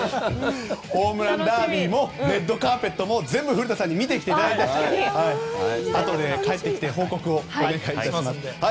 ホームランダービーもレッドカーペットも全部、古田さんに見てきていただいて帰ってきて報告をお願いします。